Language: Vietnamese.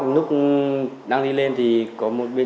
lúc đang đi lên thì bên cháu có một bạn